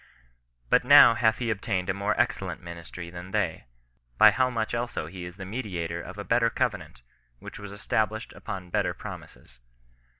But now hath he obtained a more excellent ministry than they, by how much also he is the media tor of a better covenant, which was established upon better promises.